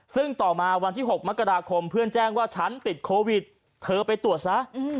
ซึ่งต่อมาวันที่๖มกราคมเพื่อนแจ้งว่าฉันติดโควิดเธอไปตรวจซะ